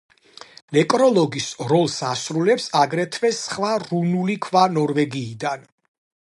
ნეკროლოგის როლს ასრულებს აგრეთვე სხვა რუნული ქვა ნორვეგიიდან.